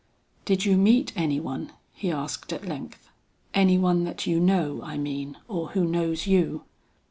"Did you meet any one?" he asked at length. "Any one that you know, I mean, or who knows you?"